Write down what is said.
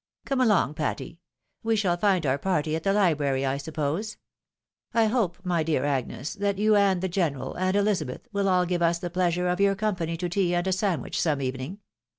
Come along, Patty. We shall find our party at the library, I suppose. I hope, my dear Agnes, that you, and the general, and Ehzabeth, will all give us the pleasure of your company to tea and a sandwich some evening.